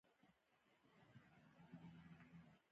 او هم د مجاهدینو د داخلي جنګونو له امله